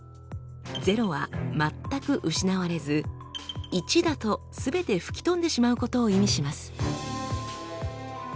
「０」は全く失われず「１」だとすべて吹き飛んでしまうことを意味します。